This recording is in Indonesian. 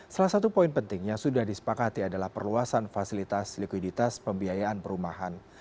salah satu poin penting yang sudah disepakati adalah perluasan fasilitas likuiditas pembiayaan perumahan